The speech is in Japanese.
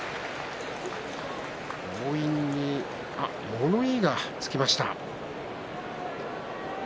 物言いがつきました。